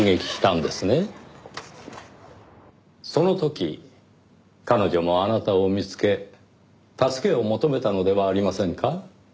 その時彼女もあなたを見つけ助けを求めたのではありませんか？